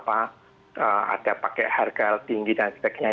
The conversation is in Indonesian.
ada pakai harga tinggi dan sebagainya